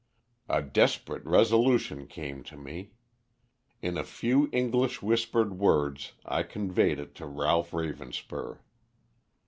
A desperate resolution came to me. In a few English whispered words I conveyed it to Ralph Ravenspur.